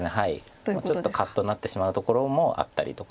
ちょっとカッとなってしまうところもあったりとか。